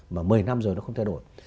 mà một mươi năm rồi nó không thay đổi